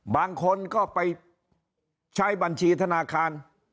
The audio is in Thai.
บางคนก็ไปใช้บัญชีธนาคาร